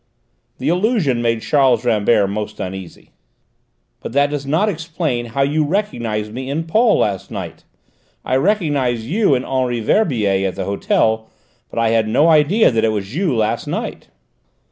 The allusion made Charles Rambert most uneasy. "But that does not explain how you recognised me in Paul to night. I recognised you in Henri Verbier at the hotel, but I had no idea that it was you last night."